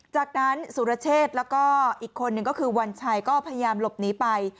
จากนั้นสุรเชษแล้วก็อีกคนนึงก็คือวันชัยก็พยายามหลบหนีไป